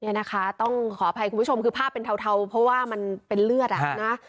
เนี่ยนะคะต้องขออภัยคุณผู้ชมคือภาพเป็นเทาเพราะว่ามันเป็นเลือดอ่ะนะ